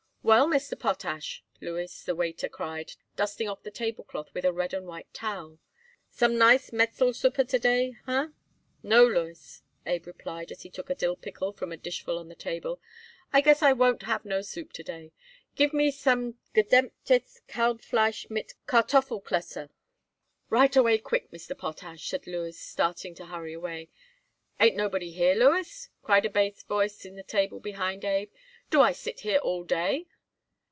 "Well, Mr. Potash," Louis, the waiter, cried, dusting off the tablecloth with a red and white towel, "some nice Metzelsuppe to day, huh?" "No, Louis," Abe replied as he took a dill pickle from a dishful on the table, "I guess I won't have no soup to day. Give me some gedämpftes Kalbfleisch mit Kartoffelklösse." "Right away quick, Mr. Potash," said Louis, starting to hurry away. "Ain't I nobody here, Louis?" cried a bass voice at the table behind Abe. "Do I sit here all day?"